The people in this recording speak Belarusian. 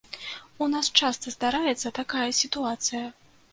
У нас часта здараецца такая сітуацыя.